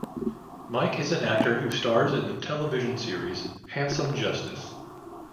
Mike is an actor who stars in the television series "Handsome Justice".